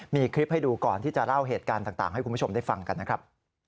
มีคลิปให้ดูก่อนที่จะเล่าเหตุการณ์ต่างให้คุณผู้ชมได้ฟังกันนะครับ